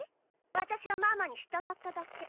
私はママに従っただけ。